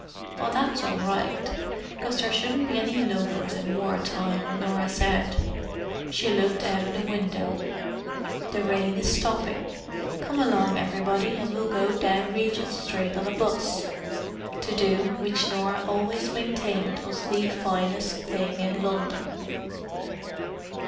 "Well, that's all right, 'cause there shouldn't be any loafers in war time," Norah said. She looked out of the window. "The rain is stopping; come along, everybody, and we'll go down Regent Street on a 'bus." To do which Norah always maintained was the finest thing in London.